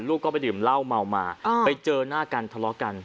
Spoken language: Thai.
ลูกก็ไปดื่มเหล้าเมามาไปเจอหน้ากันทะเลาะกัน